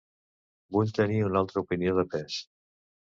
Vull tenir una altra opinió de pes.